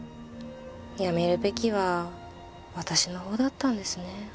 やめるべきは私の方だったんですね。